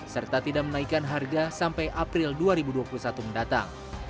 serta tidak menaikkan harga sampai april dua ribu dua puluh satu mendatang